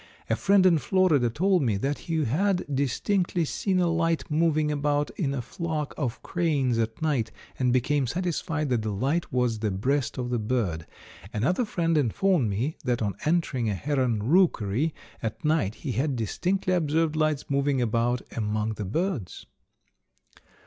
A friend in Florida told we that he had distinctly seen a light moving about in a flock of cranes at night and became satisfied that the light was the breast of the bird. Another friend informed me that on entering a heron rookery at night he had distinctly observed lights moving about among the birds."